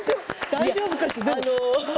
大丈夫かしら？